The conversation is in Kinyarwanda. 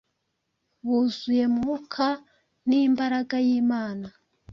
buzuye Mwuka n’imbaraga y’Imana.